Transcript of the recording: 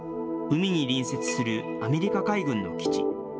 海に隣接するアメリカ海軍の基地。